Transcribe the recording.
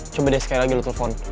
coba deh sekali lagi lo telpon